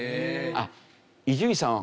あっ伊集院さん